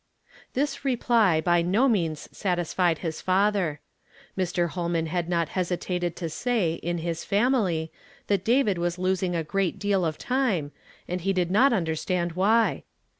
This reply by no means satisfied his fatlier. Mr. Holman had not hesitated to say in his family that David was losing a great deal of time, and he did not understand why.